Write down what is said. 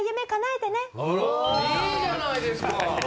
いいじゃないですか！